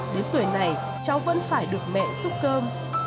đến tuổi này cháu vẫn phải được mẹ giúp cơm